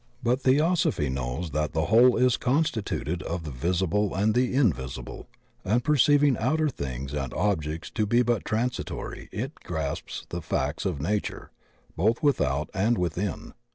But Theosophy knows that the whole is constituted of the visible and the invis ible, and perceiving outer things and objects to be but transitory it grasps the facts of nature, both without and within.